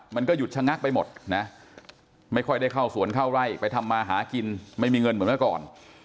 มันก็หยุดชะงักไปหมดนะไม่ค่อยได้เข้าสวนเข้าไร่ไปทำมาหากินไม่มีเงินเหมือนเมื่อก่อน